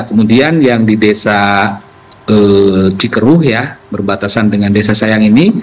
kemudian yang di desa cikeruh ya berbatasan dengan desa sayang ini